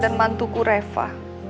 dan mantuku reva